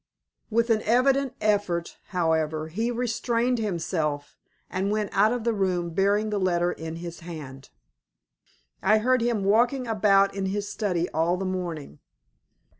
With an evident effort, however, he restrained himself, and went out of the room bearing the letter in his hand. I heard him walking about in his study all the morning.